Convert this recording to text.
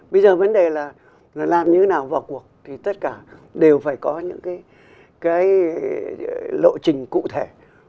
bây giờ vấn đề là làm như thế nào vào cuộc thì tất cả đều phải có những cái lộ trình cụ thể